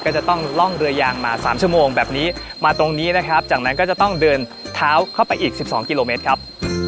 ก็จะต้องล่องเรือยางมา๓ชั่วโมงแบบนี้มาตรงนี้นะครับจากนั้นก็จะต้องเดินเท้าเข้าไปอีก๑๒กิโลเมตรครับ